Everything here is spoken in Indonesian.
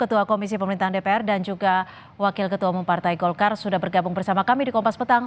ketua komisi pemerintahan dpr dan juga wakil ketua umum partai golkar sudah bergabung bersama kami di kompas petang